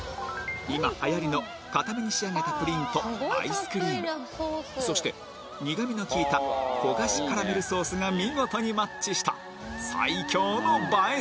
今はやりの硬めに仕上げたプリンとアイスクリームそして苦みの効いた焦がしカラメルソースが見事にマッチした最強の映え